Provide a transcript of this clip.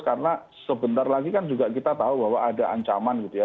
karena sebentar lagi kan juga kita tahu bahwa ada ancaman gitu ya